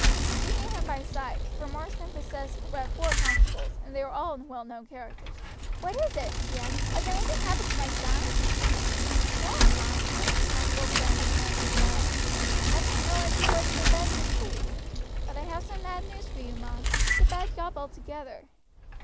She knew him by sight, for Marsden possessed but four constables, and they were all well known characters. "What is it?" she asked; "has anything happened to my son?" "No, mum," the constable said in a tone of surprise, "I didn't know as he wasn't in bed and asleep, but I have some bad news for you, mum; it's a bad job altogether."